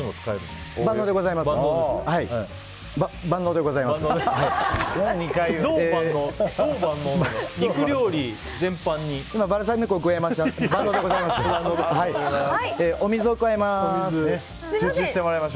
万能でございます。